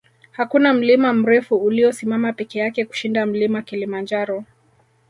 hakuna mlima mrefu uliyosimama peke yake kushinda mlima kilimanjaro